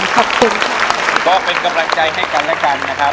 ขอบคุณก็เป็นกำลังใจให้กันและกันนะครับ